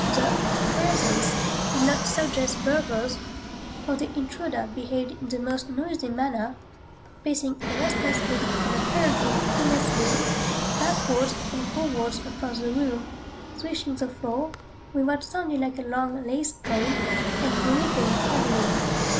The "presence" did not suggest burglars, for the intruder behaved in the most noisy manner, pacing restlessly and apparently aimlessly backwards and forwards across the room, swishing the floor (with what sounded like a long lace train) and breathing heavily.